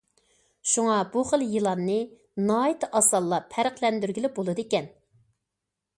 شۇڭا بۇ خىل يىلاننى ناھايىتى ئاسانلا پەرقلەندۈرگىلى بولىدىكەن.